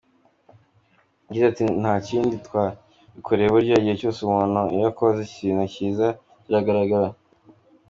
Yagize ati "Nta kindi twabikoreye, burya igihe cyose umuntu iyo akoze ikintu cyiza kiragaragara.